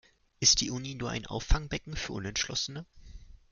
Ist die Uni nur ein Auffangbecken für Unentschlossene?